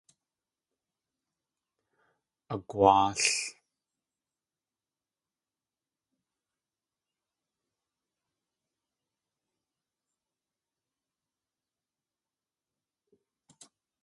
Agwáal.